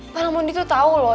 padahal mondi tuh tau loh